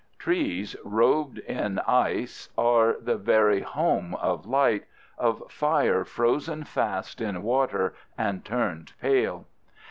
Trees robed in ice are the very home of light, of fire frozen fast in water and turned pale.